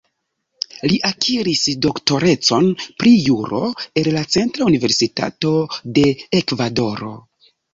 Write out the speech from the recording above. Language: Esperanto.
Li akiris doktorecon pri Juro el la Centra Universitato de Ekvadoro.